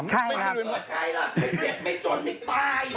ใช่ครับ